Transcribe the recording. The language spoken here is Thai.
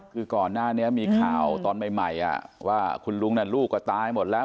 คือก่อนหน้านี้มีข่าวตอนใหม่ว่าคุณลุงลูกก็ตายหมดแล้ว